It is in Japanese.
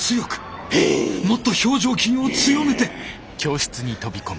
もっと表情筋を強めて！